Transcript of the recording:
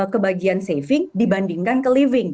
ke bagian saving dibandingkan ke living